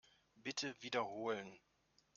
Bitte wiederholen.